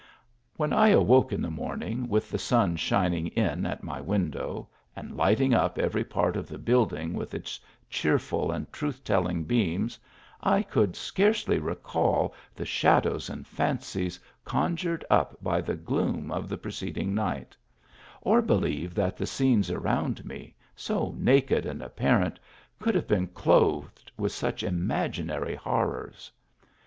When I awoke in the morning, with the sun shin ing in at my window, and lighting up every part of the building with its cheerful and truth telling beams, I could scarcely recall the shadows and fancies con jured up by the gloom of the preceding night ; or believe that the scenes around me, so naked and ap parent, could have bt:cn clothed with such imaginary horrors.